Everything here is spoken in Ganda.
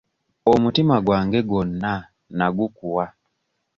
Omutima gwange gwonna nnagukuwa.